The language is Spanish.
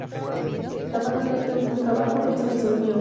La banda no editó ningún trabajo y se disolvió.